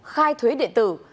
khai thuế điện tử